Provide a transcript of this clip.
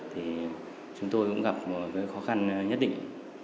thì chúng tôi cũng gặp một khó khăn nhất định